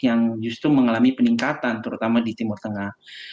yang justru mengalami peningkatan terutama di timur tengah